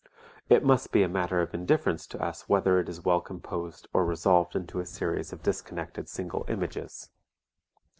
It must be a matter of indifference to us whether it is well composed or resolved into a series of disconnected single images.